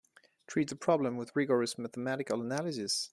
Treat the problem with rigorous mathematical analysis.